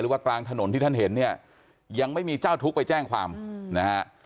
ว่ากลางถนนที่ท่านเห็นเนี่ยยังไม่มีเจ้าทุกข์ไปแจ้งความนะฮะ